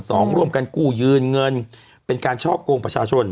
ร่วมกันกู้ยืนเงินเป็นการช่อกงประชาชน